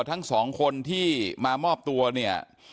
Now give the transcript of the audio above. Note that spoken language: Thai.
ทั้งสองคนที่มามอบตัวเนี่ย